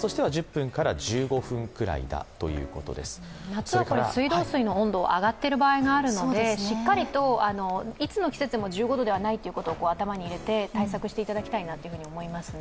夏は水道水の温度、上がっている場合があるのでしっかりと、いつの季節でも１５度ではないということを頭に入れて対策していただきたいなと思いますね。